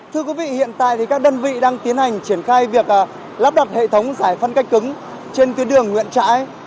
thưa quý vị hiện tại thì các đơn vị đang tiến hành triển khai việc lắp đặt hệ thống giải phân cách cứng trên tuyến đường nguyễn trãi